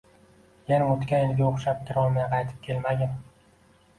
Yana o‘tgan yilga o‘xshab kirolmay qaytib kelmagin